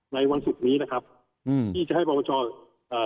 วันศุกร์นี้นะครับอืมที่จะให้ปรปชอ่า